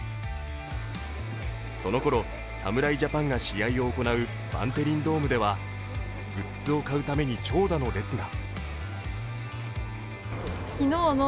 そのころ、侍ジャパンが試合を行うバンテリンドームではグッズを買うために長蛇の列が。